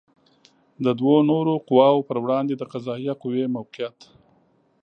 د دوو نورو قواوو پر وړاندې د قضائیه قوې موقعیت